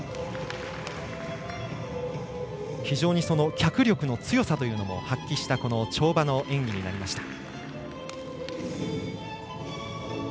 非常に脚力の強さというのも発揮した跳馬の演技になりました。